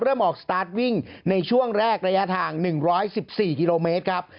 เริ่มออกสตาร์ทวิ่งในช่วงแรกระยะทาง๑๑๔กิโลเมตรครับ